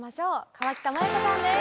河北麻友子さんです！